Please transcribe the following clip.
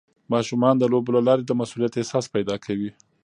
ماشومان د لوبو له لارې د مسؤلیت احساس پیدا کوي.